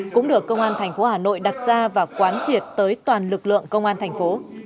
cũng được công an tp hà nội đặt ra và quán triệt tới toàn lực lượng công an tp